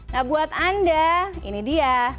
nah buat anda ini dia